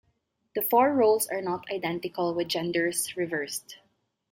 The four roles are not identical with genders reversed.